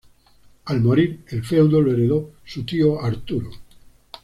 Al morir, el feudo lo heredó su tío Arturo.